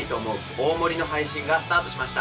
大盛り。』の配信がスタートしました。